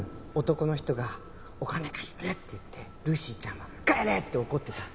男の人が「お金貸して」って言ってルーシーちゃんは「帰れ！」って怒ってた。